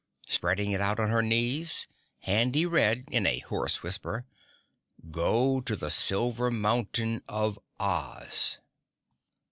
Spreading it out on her knees, Handy read in a hoarse whisper: "Go to the Silver Mountain of OZ."